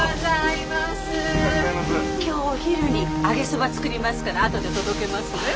今日お昼に揚げそば作りますからあとで届けますね。